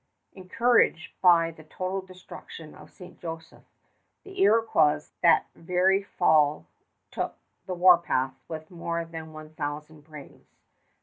Encouraged by the total destruction of St. Joseph, the Iroquois that very fall took the warpath with more than one thousand braves.